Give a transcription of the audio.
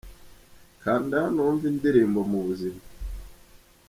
Kanda hano wumve indirimbo Mu buzima.